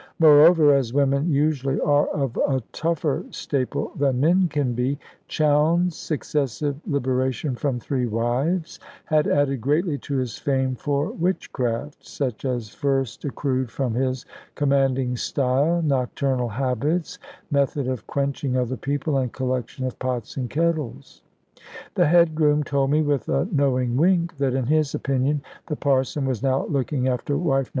Moreover, as women usually are of a tougher staple than men can be, Chowne's successive liberation from three wives had added greatly to his fame for witchcraft, such as first accrued from his commanding style, nocturnal habits, method of quenching other people, and collection of pots and kettles. The head groom told me, with a knowing wink, that in his opinion the Parson was now looking after wife No.